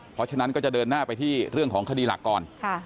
เพราะฉะนั้นก็จะเดินหน้าไปที่เรื่องของคดีหลักก่อน